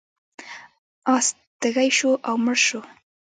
اس تږی شو او مړ شو.